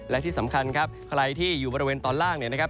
และที่สำคัญครับใครที่อยู่บริเวณตอนล่างเนี่ยนะครับ